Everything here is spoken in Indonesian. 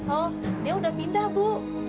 oh dia udah pindah bu